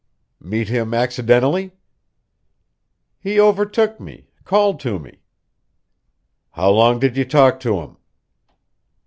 "Meet him accidentally?" "He overtook me called to me." "How long did you talk to him?"